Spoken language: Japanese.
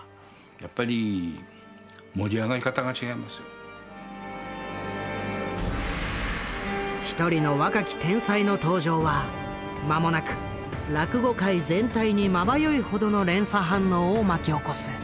やっぱり一人の若き天才の登場は間もなく落語界全体にまばゆいほどの連鎖反応を巻き起こす。